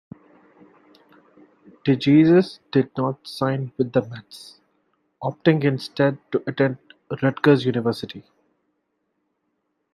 DeJesus did not sign with the Mets, opting instead to attend Rutgers University.